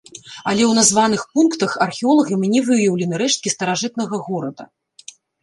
Але ў названых пунктах археолагамі не выяўлены рэшткі старажытнага горада.